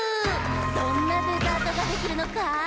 どんなデザートができるのか？